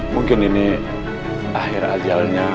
mungkin ini akhir ajalnya